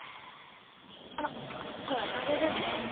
あっあそこ渡れるんですね